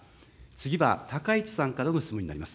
次は、高市さんからの質問になります。